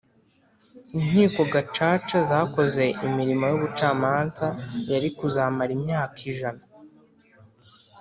Inkiko gacaca zakoze imirimo y’ubucamanza yari kuzamara imyaka ijana